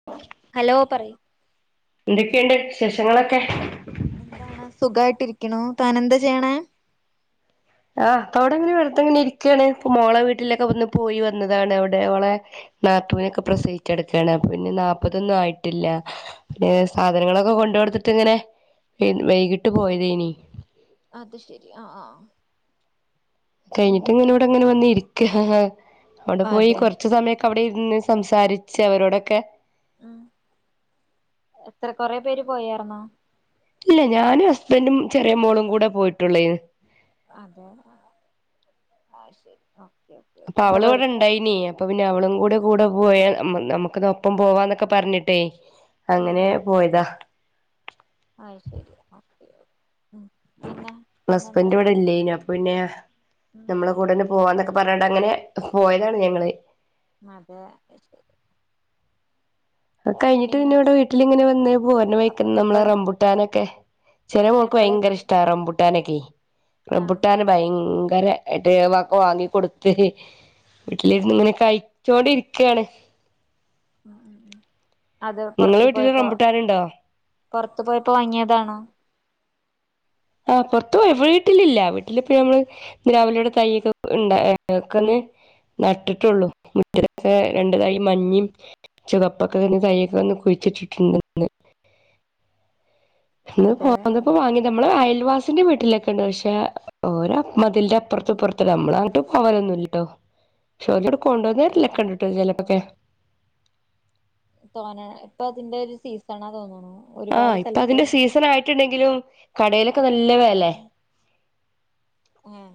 [inaudible] Hello പറയ് എന്തൊക്കെണ്ട് വിശേഷങ്ങളൊക്കെ? എന്താണ് സുഖയിട്ടിരിക്കണു താൻ എന്താ ചെയ്യണെ? ആഹ് ഇപ്പോ ഇവിടെങ്ങനെ വെറ്തങ്ങനെ ഇരിക്കാണ് ഇപ്പോ മോളെ വീട്ടിലൊക്കെ വന്ന് ഒന്ന് പോയി വ വന്നതാണ് അവിടെ ഓളെ നാത്തുനൊക്കെ പ്രസവിച്ചടക്കാണ് അപ്പൊ പിന്നെ നാപ്പതൊന്നും ആയിട്ടില്ല ഏ സാധനങ്ങളൊക്കെ കൊണ്ട് കൊടുത്തിട്ട് ഇങ്ങനെ വൈകിട്ട് പോയതേനി അത് ശെരി ആ ആ കഴിഞ്ഞിട്ട് ഇങ്ങനെ ഇവിടെ ഇങ്ങനെ വന്നിരിക്ക അവിടെ പോയി അതെ കൊറ റച്ച് സമയമൊക്കെ അവിടെ ഇരുന്ന് സംസാരിച്ച് അവരോടൊക്കെ ആ എത്ര കൊറെ പേര് പോയേര്ന്നോ ഇല്ലയ് ഞാനും ഹസ്ബൻഡും ചെറിയ മോളും കൂടെ പോയിട്ടൊള്ളേന്നു. അതെ ആ ശരി അഹ് ശരി അപ്പൊ അവള് ഇവിടെ ഇണ്ടായിനീ അപ്പൊ പിന്നെ അവളും കൂടെ കൂടെ പോയ നമുക്ക് ഇന്ന ഒപ്പം പോവാന്നൊക്കെ പറഞ്ഞിട്ടേ ഉം അങ്ങനെ പോയതാ അഹ്ശരി ഓക്കേ ഹസ്ബൻഡ് ഇവിടെ ഇല്ലെയ്നു അപ്പൊ പിന്നെ ഉം നമ്മളെ കൂടെന്നെ പോവാന്നൊക്കെ പറഞ്ഞണ്ട് അങ്ങനെ പോയതാണ് ഞങ്ങള് അതെ അയ്ശരി കഴിഞ്ഞിട്ട് പിന്നെ ഇവിടെ വീട്ടിലിങ്ങനെ വന്ന് പോര്ണേ അപ്പൊ വയ്ക്കനെ നമ്മളെ എപ്പഴാ റംമ്പുട്ടാനൊക്കെ ചെറിയ മോൾക്ക് എപ്പഴാ ഭയങ്കര എത്തി ഇഷ്ട റംബുട്ടാനൊക്കെ ആഹ് റംബുട്ടൻ ഭയങ്കര ആയിട്ട് ഒക്കെ വാങ്ങി കൊടുത്ത് വീട്ടിലി ഇരുന്ന് ഇങ്ങനെ കഴിച്ചോണ്ടിരിക്കണ് ഉം ഉം ഉം അത് നിങ്ങളെ വീട്ടില് റംമ്പുട്ടാൻ ഉണ്ടോ? പുറത്ത് പോയപ്പോ വങ്ങിയതാണോ ആഹ് പൊറത്ത് പോയപ്പൊ വീട്ടിലില്ല വീട്ടില ഇപ്പ നമ്മള് പിലാവിലെയുടെ തൈയ് ഒക്കെ ഉണ്ടക്കന്ന് നട്ടിട്ടുള്ളൂ മുറ്റത്ത് രണ്ടതൈയ് മഞ്ഞിം ചുവപ്പൊക്കെ തന്നെ തയ്യൊക്കന്ന് കുഴിച്ചിട്ടിട്ടുണ്ടന്ന് ഇന്ന് അതെ പോന്നപ്പോ ഉം വാങ്ങി ഉം നമ്മള് അയൽവാസിന്റെ വീട്ടിലൊക്കെ ഉണ്ട് പക്ഷെ ഓലെ മതിലന്റെ അപ്പറതും ഇപ്പറതുംല്ലേ നമ്മള് അങ്ങട്ട് പോവലൊന്നും ഇല്ലട്ടോപക്ഷേഓല് ഉം ഇങ്ങട്ട്കൊണ്ടന്നരലൊക്കെ ഉം ഇണ്ട് ട്ടോ ചെലതൊക്കെ തോന്നെഇപ്പൊ അതിന്റെ ഒരു സീസണാ തോന്നുണു ഒരുപാട് ആഹ് ഇപ്പൊ സ്ഥലത്ത് അതിന്റെ സീസൺ ആയിട്ടുണ്ടെങ്കിലും കടയിലൊക്കെ നല്ല വെലെ ഉം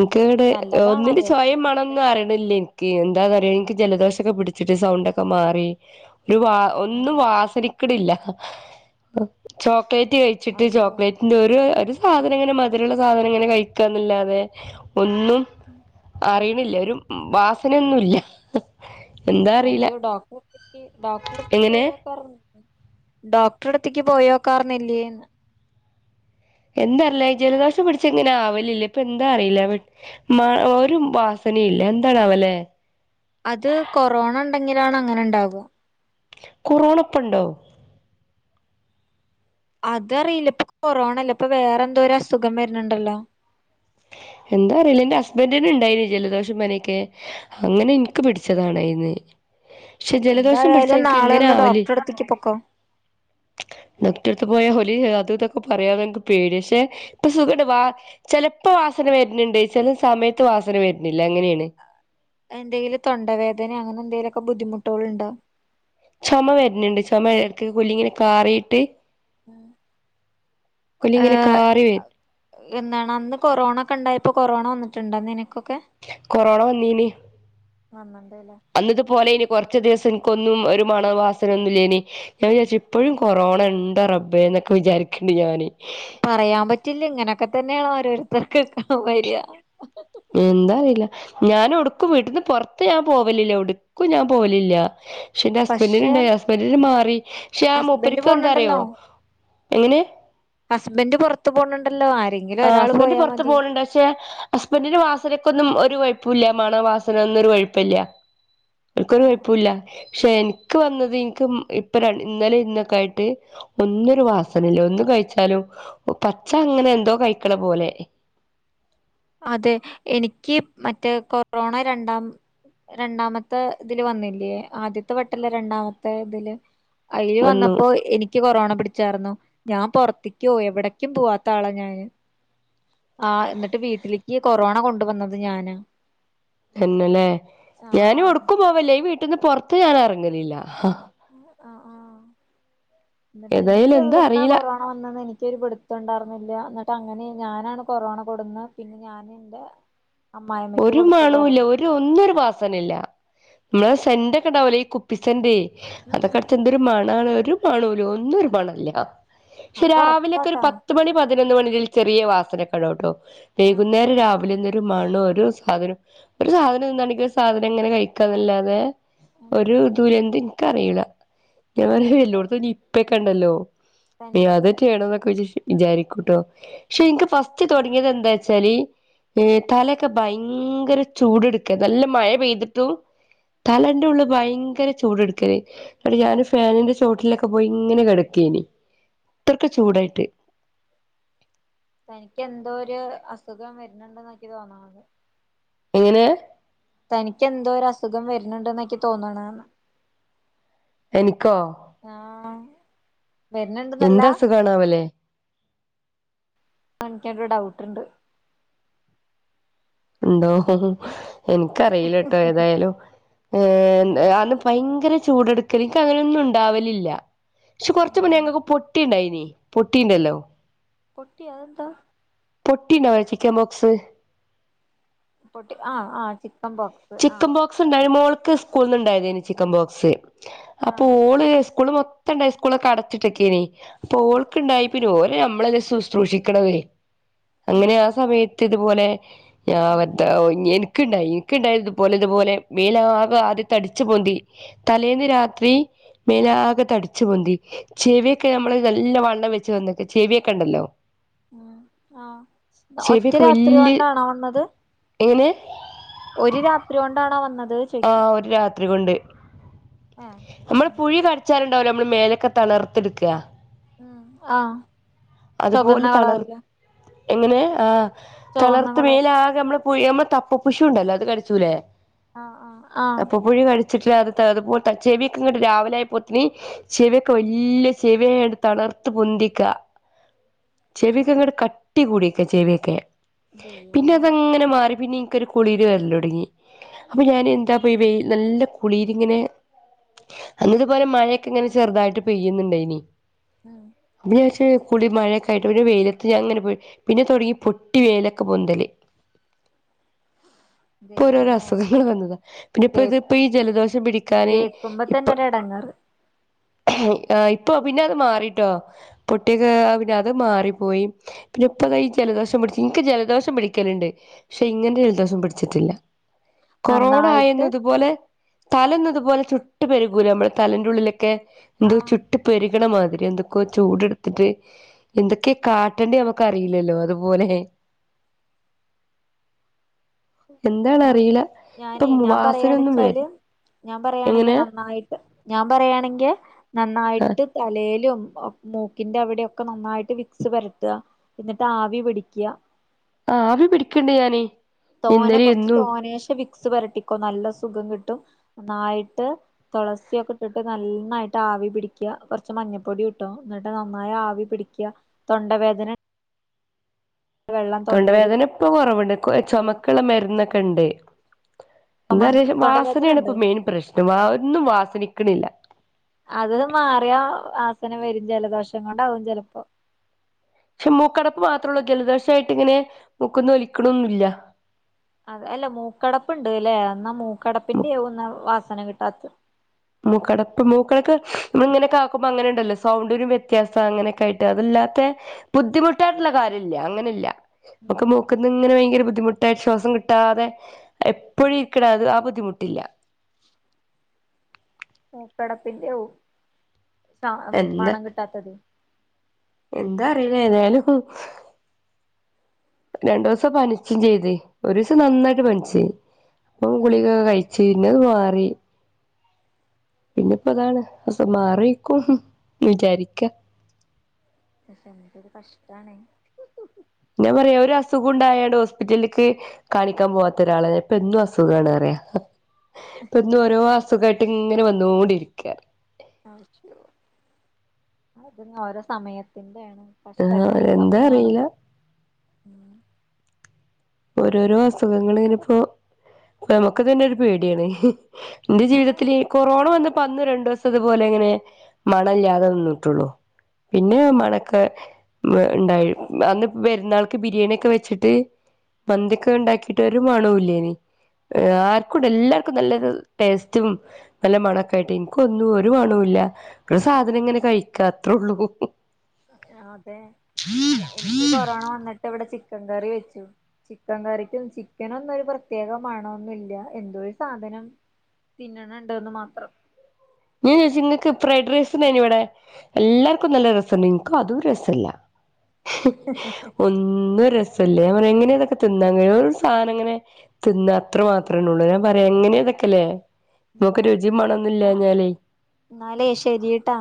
ഇൻക്ക് വടെ ഒന്നിന്റെ നല്ലതാണത് ചൊയെ മണ്ണോം അതെ ഒന്നും അറീണില്ലെ എന്താണന്ന് അറിയോ ഇൻക്ക് ജലദോഷൊക്കെ പിടിച്ചിട്ട് സൗണ്ട് ഒക്കെ മാറി ഒരു വ ഒന്നും വാസനിക്ക്ണില്ല ചോക്ലേറ്റ് കഴിച്ചിട്ട് അയ്യോ ചോക്ലേറ്റ് ന്റെ ഒരു ഒരു സാധനം ഇങ്ങനെ മധുരള്ള സാധനം ഇങ്ങനെ കഴിക്കാന്നല്ലാതെ ഒന്നും ഉം അറീണില്ല ഒരു വാസനൊന്നുംല്ല അയ്യോ ഡോക്ടറെത്തേക്ക് ഡോക്ടറെടുത്തേക്ക് എങ്ങനെ പോയാക്കാർന്നു ഡോക്ടറടുത്ത്ക്ക് പോയോക്കാർന്നില്ലേന്ന് എന്താറിയില്ല ജലദോഷം പിഠിച്ച ഇങ്ങനെ ആവലില്ല ഇപ്പൊ എന്താ അറിയില്ല മ ഒരു വാസനയില്ല എന്താണോവോലെ അത് കൊറോണ ഉണ്ടെങ്കിലാണ് അങ്ങനെ ഉണ്ടാവും കൊറോണപ്പണ്ടോ അതറിയില്ല ഇപ്പൊ കൊറോണല്ല ഇപ്പൊ വേറെ എന്തോ ഒരു അസുഖം വരുന്നുണ്ടല്ലോ എന്താ അറിയില്ലേ എന്റെ ഹസ്ബൻന്റിന് ഉണ്ടായിന്നി ജലദോഷംപനിക്കെ അങ്ങനെ എനിക്ക് പിടിച്ചതാണ് ഏയ്ന്ന് പക്ഷെ ജലദോഷം പിടിച്ചാ എന്തായാലും എനിക്ക് നാളെ ഇങ്ങനെ ഒന്ന് ആവല് ഡോക്ടറെടുത്തേക്ക് പൊക്കോ ഡോക്ടർത്ത് പോയാ ഓല് അത് ഇതൊക്കെ പറയാെന്ന് എനിക്ക് പേടിയാ ക്ഷെ ഇപ്പൊ സുഖആയിട്ട് വ ചിലപ്പോ വാസന വര്ണ് ണ്ട് ചില സമയത്ത് വാസന വര്ണില്ല അങ്ങനെണ് എന്തെങ്കിലും തൊണ്ടവേദന അങ്ങനെ എന്തെങ്കിലുമൊക്കെ ബുദ്ധിമുട്ടോള് ണ്ടോ ചുമ വരുന്നുണ്ട് ചുമ ഇക്ക് കുല്ലി ഇങ്ങനെ കാറിയിട്ട് കൂലി ഇങ്ങനെ കാറി വെരും എന്നാണ് അന്ന് കൊറോണ ഒക്കെ ഇണ്ടായിപ്പോ കൊറോണ വന്നിട്ടുണ്ടോ നിനക്കൊക്കെ കൊറോണ വന്നീന് വന്നിണ്ടല്ലേ അന്ന് ഇതുപോലെനി കൊറച്ച് ദിവസം എനിക്കൊന്നും ഒരു മണോ വാസനെ ഒന്നും ഇല്ലേനി ഞാൻ വിചാരിച്ച് ഇപ്പോഴും കൊറോണ ഉണ്ടോ റബ്ബേ എന്നൊക്കെ വിചാരിക്ണ്ട് ഞാന് പറയാൻ പറ്റില്ല ഇങ്ങനൊക്കെ തന്നെയണ് ഓരോരുത്തർക്ക് വര്യാ എന്താ അറിയില്ല ഞൻ എവ്ട്ക്കും വീട്ടിൽന്ന് പൊറത്ത് ഞാൻ പോവലില്ല ഇവ്ട്ക്കും ഞാൻ പോവലില്ല പക്ഷെ എന്റെ ഹസ്ബന്ഡന് പക്ഷെ ഉണ്ടായി ഹസ്ബന്ഡന് മാറി പക്ഷെ ആ ഹസ്ബൻഡ് മുൂപ്പരിക്ക് എന്താറിയോ പോണുണ്ടല്ലോ എങ്ങനെ ഹസ്ബന്ഡറ് പുറത്ത് പോണുണ്ടല്ലോ ആര് ആ ഹസ്ബന്ഡറ് പുറത്ത് പോണണ്ട് പക്ഷെ ഹസ്ബൻഡിന് വാസനക്കൊന്നും ഒരു കൊഴപ്പുല്ല മണവാസന ഒന്നും ഒരു കൊഴപ്പല്ല്യ എനിക്കൊരു കൊഴപ്പഇല്ല പക്ഷെ എനിക്ക് വന്നത് എനിക്ക് ഇപ്പ ഇന്നലെ ഇന്നൊക്കെ ആയിട്ട് ഒന്നൊരു വാസനല്ല ഒന്ന് കഴിച്ചാലും പച്ച അങ്ങനെ എന്തോ കഴിക്കണ പോലെ അതെ എനിക്ക് മറ്റേ കൊറോണ രണ്ടാം രണ്ടാമത്തെ ഇതില് വന്നില്ലേ ആദ്യത്തെ വെട്ടല്ല രണ്ടാമത്തെ ഇതില് അയില് വന്നു വന്നപ്പോ എനിക്ക് ക്ക് കൊറോണ പിടിച്ചായിരുന്നു ഞാൻ പുറത്തേക്കോ എവിടേക്കും പോവാത്ത ആളാ ഞാന് ആ എന്നിട്ട് വീട്ടിലേക്ക് കൊറോണ കൊണ്ട വന്നത് ഞാന തന്നല്ലേ ഞാനും ഒടുക്കും പോവല്ല ഈ വീട്ടിന്ന് പുറത്ത് ഞാൻ ഇറങ്ങലില്ല ആഹ് ആ ആഹ് എന്നിട്ട് എനിക്ക് ഏതായാലും എന്താ എവിടുന്നാ അറിയില്ല കൊറോണ റോണവന്നത് എനിക്കൊരു പിടുത്തുണ്ടാർന്നില്ല എന്നിട്ട് അങ്ങനെ ഞാനാണ് കൊറോണ കൊടുന്നത് പിന്നെ ഞാന് എന്റെ അമ്മായിമ്മയ്ക്ക് ഒരു കൊടുത്ത കുറ മണുല്ല ഒരു ഒന്നൊരു വാസനല്ല നമ്മള സെന്റൊക്കെ ഉണ്ടാവലേ ഈ കുപ്പിസെന്റ ഉം അതൊക്കെ അടുത്ത് ഒരു മണാണ് ഒരു മണല്ല ഒന്ന് ഒരു മണംഇല്ല പക്ഷെ അപ്പൊ രാവിലെക്കെ ഒര് ഉറപ്പാട്ടാ പത്ത് പത്ത് മണി പതിനൊന്ന് മണിൽ ചെറിയ വാസനക്കട കേട്ടോ ആഹ് വൈകുന്നേരം രാവിലെന്നരു മണ ഒരു സാധനം ഒരു സാധനം എന്താണെങ്കിൽ സാധനം എങ്ങനെ കഴിക്കാതല്ലാതെ ഉം ഒരു ഇ ദൂല്ലഎന്ത് എനിക്ക അറിയില ഞാൻ എന്തോ എല്ലടത്തും നീപ്പയൊക്കെ ഉണ്ടല്ലോ അ തനിക്ക് തെറ്റാണൊ എന്നൊക്കെ വി വിചാരിക്കൂട്ടോ പക്ഷെ ഇനിക്ക് ഫസ്റ്റ് തുടങ്ങിയത് എന്താ വച്ചാല് തല ക്കെ ഭയങ്കര ചൂട്എടുക്ക നല്ല മഴ പെയ്തിട്ടും തലന്റെ ഉള്ള് ഭയങ്കര ചൂട്എടുക്കല് ങ്ങനെ ഞാന് ഫാനിന്റെ ചുവട്ടിലൊക്കെ പോയി ഇങ്ങനെ കിടക്കേനി ഇത്രക്കെ ചൂടായിട്ട് തനിക്ക് എന്തോ ഒരു അസുഖം വരുന്നുണ്ട എന്ന എനിക്ക് തോന്നണത് എങ്ങനെ തനിക്ക് എന്തോ ഒരു അസുഖം വരുന്നുണ്ട് ന്ന എനിക്ക് തോന്നണാണ് എനിക്കോ ആഹ് വരുന്നുണ്ടെന്നല്ല എന്താ സുഖണാവല്ലേ എനിക്കരു ഡൗട്ട്ണ്ട് ഉണ്ടോ എനിക്കറിയിലട്ടോ ഏതായാലും ഉം ഏഹ് അന്ന് ഭയങ്കര ചൂടെടുക്കല് എനിക്ക് അങ്ങനെ ഒന്നും ഉണ്ടാവലില്ല. പക്ഷേ കൊറച്ച് മുന്നേ ഏഹ് ഞങ്ങൾക്ക് പൊട്ടിണ്ടായിനി പൊട്ടിണ്ടല്ലോ. പൊട്ടി അതെന്താ? പൊട്ടിണ്ടോ ചിക്കൻ ബോക്സ് പൊട്ടി ആഹ് ആഹ് ചിക്കൻ ബോക്സ്. ചിക്കൻ ആഹ് ബോക്സ് ഉണ്ടായ മോൾക്ക് സ്കൂളിന്ന്ണ്ടായതെനി ചിക്കൻ ബോക്സ് അപ്പോ ആഹ് ഓള് സ്കൂള് മൊത്തണ്ടായി സ്കൂളൊക്കെ അടച്ചിട്ടക്കേനി അപ്പോ ഓൾക്കിണ്ടായി പിന്നെ ഓര് നമ്മളെ ശുശ്രു ശ്രൂഷിക്കണത് അങ്ങനെ ഉം ആ സമയത്ത് ഇതുപോലെ ഞാൻ മറ്റേ എനി ക്കിണ്ടായി ഇനക്കിണ്ടായി ഇതുപോലെ ഇതുപോലെ മേലാകെ ആദ്യം തടിച്ചു പൊന്തി. തലേന്ന് രാത്രി മേലാകെ തടിച്ചു പൊന്തി. ചെവിയൊക്കെ നമ്മള് നല്ല വണ്ണം വെച്ച് വന്ന ചെവിയൊക്കെ ഉണ്ടല്ലോ. ഉം ആഹ് ഒറ്റ ചെവിയൊക്കെ രാത്രി വല്യയ കൊണ്ടാണോ വന്നത് എങ്ങനെ ഒരു രാത്രി കൊണ്ടാണോ വന്നത്. ചോയ്ക്ക ആഹ് ഒരു രാത്രി കൊണ്ട് ഏഹ് നമ്മളെ ഉം പുഴു കടിച്ചാല്ണ്ടാവല്ലോ നമ്മള് മേലൊക്കെ തണർത്തെടുക്ക. ഉം ആഹ് അതുപോലെ ചൊകന്ന തണിർ കളറില് എങ്ങനെ ആഹ്. ചുവന്ന തളർത്ത് കളർ മേല് ആകെ നമ്മള് നമ്മ തപ്പ പുഷു ഉണ്ടല്ലോ അത് കടിച്ചൂലേ ആഹ് ആഹ് ആഹ് പുഴു കടിച്ചിട്ട് അത് അതുപ്പോൽ ത ചെവിക്കെ ഇങ്ങട്ട് രാവിലെ ആയപ്പോത്തിന് ചെവി ഒക്കെ വല്യ ചെവിയായാണ്ട് തളർത്ത് പൊന്തിക്ക. ചെവി ഒക്കെ ഇങ്ങട്ട് കട്ടി കൂടിയക്ക ചെവിയൊക്കെ. പിന്നെ ദൈവമേ അതങ്ങനെ മാറി പിന്നെ എനിക്കൊരു കുളിര് വരല് തുടങ്ങി, അപ്പോ ഞാൻ എ എത്താപ്പോ ഈ വെയിൽ നല്ല കുളിരിങ്ങനെ അന്നതുപോലെ മഴയൊക്കെ ഇങ്ങനെ ചെറുതായിട്ട് പെയ്യുന്നുണ്ടാനി. ഉം പിന്നെ ഞാൻ വിചാരിച്ച് കുളി മഴൊക്കെ ആയിട്ട് പിന്നെ വെയിലത്ത് ഞാൻ അങ്ങനെ പോയി. പിന്നെ തൊടങ്ങി പൊട്ടി മേലക്കെ പൊന്തല്. ഇപ്പ ഓരോരോ ദൈവമേ അസുഖങ്ങൾ വന്നതാ പിന്നെ ഇപ്പ കേ ഇതിപ്പോ ഈ ജലദോഷം പിടിക്കാന് ഇപ്പോ എടങ്ങാറ്. ഇപ്പോ പിന്നെ അത് മാറിട്ടോ പൊട്ടിക്കെ പിന്നെ അത് മാറിപ്പോയി. പിന്നെ ഇപ്പോ കൈ ജലദോഷം പിടിച്ച് ഇൻക്ക് ജലദോഷം പിടിക്കലുണ്ട്. ക്ഷെ ഇങ്ങനൊരു ജലദോഷം പിടിച്ചിട്ടില്ല കൊറോണ നന്നായിട്ട് ആയന്നതുപോലെ തലന്നതുപോലെ ചുട്ട് പെരുകൂല നമ്മള് തലന്റെ ഉള്ളിലൊക്കെ എന്തൊ ആഹ് ചുട്ട് പെരുകണ മാതിരി എന്തൊക്കെ ചൂട് എടുത്തിട്ട് എന്തൊക്കെ കാട്ടേണ്ടി നമുക്ക് അറിയില്ലല്ലോ അതുപോലെ എന്താന്ന് ഞാൻ അറിയില്ല ഇപ്പോ ഞാനേ മു ഞാൻ വാസനൊന്നും വരു പറയാണ്ച്ചാല് ഞാൻ പറയാണെങ്കിൽ നന്നായിട്ട് ഞാൻ പറയാണെങ്കിൽ നന്നായിട്ട് തലേലും ഒ മൂക്കിന്റെ അവിടെയൊക്കെ നന്നായിട്ട് വിക്സ് പരത്തുക, എന്നിട്ട് ആവി പിടിക്കുക. ആവി പിടിക്കിണ്ട് ഞാന്. തോനെ ഇന്നലെ കൊറച്ച് ഇന്നും തോനശെ വിക്സ് പെരട്ടിക്കോ നല്ല സുഖം കിട്ടും നന്നായിട്ട് തുളസിയൊക്കെ ഇട്ടിട്ട് നന്നായിട്ട് ആവി പിടിക്കുക, കുറച്ച് മഞ്ഞപ്പൊടി ഇട്ടോ, എന്നിട്ട് നന്നായി ആവി പിടിക്കുക, തൊണ്ടവേദന വെള്ളം തൊണ്ട തൊണ്ടേൽ വേദന ഇപ്പോ കുറവുണ്ട്, പിടിക്കുക ചുമക്കുള്ള മരുന്നൊക്കെ ഉണ്ട്. എന്താ പറയാ തൊണ്ടവേദന വാസനയാണ് ഉണ്ട് ഇപ്പോ മെയിൻ പ്രശ്നം ഒന്നും വാസനിക്കണില്ല. അത് മാറിയാ വാസന വരും, ജലദോഷം കൊണ്ടാവും ചെലപ്പോ പക്ഷേ മൂക്കടപ്പ് മാത്ര ഉള്ളൂ, ജലദോഷായിട്ടിങ്ങനെ മൂക്കൊന്ന് ഒലിക്കണൊന്നുംല്ല. അതെ അല്ല മൂക്കടപ്പ്ണ്ട് ല്ലേ എന്നാ മൂക്കടപ്പിന്റെയാവും എന്നാ വാസന കിട്ടാത്തെ മൂക്കടപ്പ് മൂക്കടക്ക് നമ്മള് ഇങ്ങനൊക്കെ ആക്കുമ്പോ അങ്ങനെ ഒണ്ടല്ലോ സൗണ്ടരു വ്യത്യാസം അങ്ങനെക്കായിട്ട് അതല്ലാത്തെ ബുദ്ധിമുട്ടായിട്ടുള്ള കാര്യല്ല അങ്ങനില്ല ഉം നമുക്ക് മൂ ക്ക്‌ന്ന് ഇങ്ങനെ ഭയങ്കര ബുദ്ധിമുട്ടായി ശ്വാസം കിട്ടാതെ എപ്പോഴും ഇരിക്കണം അത് ആ ബുദ്ധിമുട്ടില്ല കടപ്പിന്റെ ആവും എന്താ മണം കിട്ടാത്തത് എന്താ അറിയില ഏതായാലും രണ്ടു ദിവസം പനിച്ചും ചെയ്ത് ഒരു ദിവസം നന്നായിട്ട് പനിച്ച് ഇപ്പം ഗുളിക കഴിച്ചു പിന്നെ അത് മാറി പിന്നെപ്പ അതാണ് അസുഖം മാറിയിക്കും ന്ന് വിചാരിക്ക ക്ഷെ എമക്കരു കഷ്ടാണെ ഞാൻ പറയാ ഒരു അസുഖം ഉണ്ടായാണ് ഹോസ്പിറ്റലിലക്ക് കാണിക്കാൻ പോവാത്ത ഒരാളെ ഇപ്പൊ എന്നും അസുഖണ പറിയ ഇപ്പൊ ഇന്ന് ഓരോ അസുഖായിട്ടും ഇങ്ങനെ വന്നോണ്ടിരിക്ക അയ്യോ അതിങ്ങ് ഓരോ സമയത്തിന്റെ ആണ് ആഹ് എന്താ അറിയില്ല ഉം ഓരോരോ അസുഖങ്ങള ഇങ്ങനെപ്പോനമുക്ക് തന്നെ ഒരു പേടിയാണ് എന്റെ ഏ ജീവിതത്തിൽഈ കൊറോണ വന്നപ്പ അന്ന് രണ്ടു ദിവസ ഇത്പോലെ ഇങ്ങനെ മണല്ലാതെ നിന്നിട്ടുള്ളൂ പിന്നെ മണക്കെ ഉണ്ടായി അന്ന് പെരുന്നാൾക്ക് ബിരിയാണിക്കെ വെച്ചിട്ട് മന്തിയൊക്കെ ഉണ്ടാക്കിട്ടരു മണൂല്ലേന ആർക്കുംണ്ട് എല്ലാർക്കും നല്ലരു ടേസ്റ്റും നല്ല മണക്കായിട്ട് എനിക്ക ഒന്നും ഒരു മണല്ല ഒരു സാധനം ഇങ്ങനെ കഴിക്കാ അത്രേ ഉള്ളൂ അതെ എനിക്ക് കൊറോണ വന്നിട്ട് ഇവിടെ ചിക്കൻ കറി വെച്ചു ചിക്കൻ കറിക്ക് ചിക്കനൊന്നും ഒരു പ്രത്യേക മണൊന്നുമല്ല എന്തോ ഒരു സാധനം തിന്നണണ്ട്ന്ന് മാത്രം ഞാൻ ചോദിച്ചി ഇക്ക് ഫ്രൈഡ് റൈസ് ഉണ്ടായിനി ഇവടെ എല്ലാർക്കും നല്ല രസുണ്ട് നിക്കും അതും രസല്ല ഒന്നും ഒന്നും ഒരു രസല്ല എങ്ങനെതൊക്കെ തിന്നാൻ കഴിയ ഒരു സാനം ഇങ്ങനെ തിന്ന അത്ര മാത്രേ ഉള്ളൂ ഞാൻ പറയാ എങ്ങനെ അതൊക്കെല്ലേ ഉം നമുക്ക് രുചിയ ആയിക്കോട്ടെ എന്നാ മണംന്നുമില്ലഞ്ഞാല് എന്നാലേ ശരിട്ടാ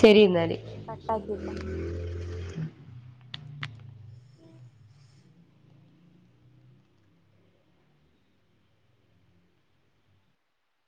ശരി എന്നാല് കട്ടാക്കിക്കോ ഉ [unintelligible]